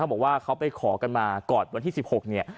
เขาบอกว่าเขาไปขอกันมาก่อนวันที่๑๖